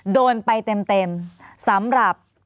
โดนไปเต็มสำหรับ